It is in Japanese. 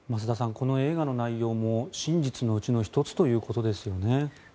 この映画の内容も真実のうちの１つということですよね。